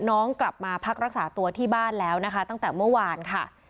น้องกลับมาพักรักษาตัวที่บ้านแล้วนะคะตั้งแต่เมื่อวานค่ะ